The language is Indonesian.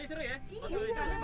eh tadi seru ya